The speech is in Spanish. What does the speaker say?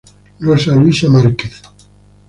Rosa Luisa Márquez.